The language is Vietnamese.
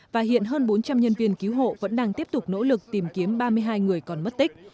và hiện hơn bốn trăm linh nhân viên cứu hộ vẫn đang tiếp tục nỗ lực tìm kiếm ba mươi hai người còn mất tích